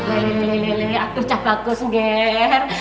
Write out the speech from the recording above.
akhirnya bagus nger